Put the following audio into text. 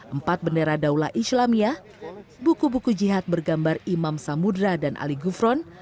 empat bendera daulah islamiyah buku buku jihad bergambar imam samudera dan ali gufron